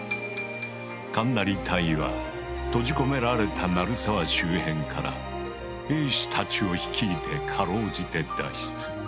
神成大尉は閉じ込められた鳴沢周辺から兵士たちを率いてかろうじて脱出。